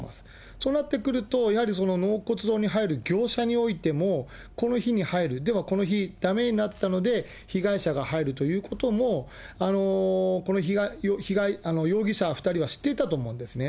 となってくると、やはり納骨堂に入る業者においても、この日に入る、でもこの日、だめになったので、被害者が入るということも、この容疑者２人は知っていたと思うんですね。